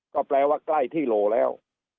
ก็แปลว่าใกล้ที่โลแล้ว